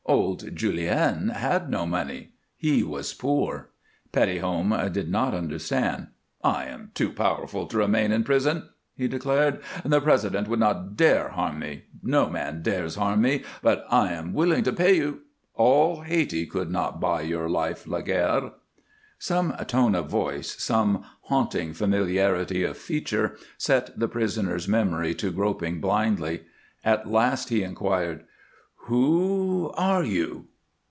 Old Julien had no money; he was poor." Petithomme did not understand. "I am too powerful to remain in prison," he declared. "The President would not dare harm me; no man dares harm me; but I am willing to pay you " "All Hayti could not buy your life, Laguerre!" Some tone of voice, some haunting familiarity of feature, set the prisoner's memory to groping blindly. At last he inquired, "Who are you?"